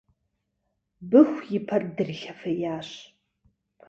Быху и пэр дрилъэфеящ